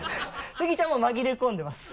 スギちゃんも紛れ込んでます